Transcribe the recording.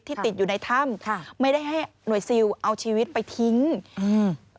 ติดอยู่ในถ้ำค่ะไม่ได้ให้หน่วยซิลเอาชีวิตไปทิ้งอืม